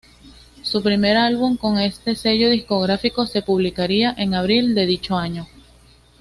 Su primer álbum con este sello discográfico se publicaría en abril de dicho año.